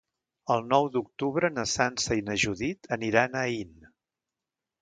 El nou d'octubre na Sança i na Judit aniran a Aín.